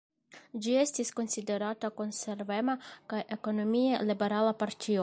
Ĝi estas konsiderata konservema kaj ekonomie liberala partio.